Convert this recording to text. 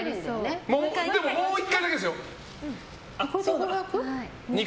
もう１回だけですよ。